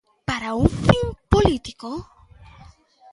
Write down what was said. Para un fin político.